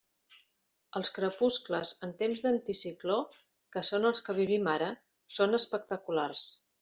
Els crepuscles en temps d'anticicló, que són els que vivim ara, són espectaculars.